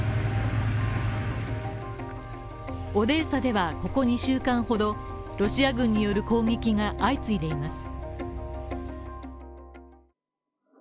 オデーサではここ２週間ほどロシア軍による攻撃が相次いでいます。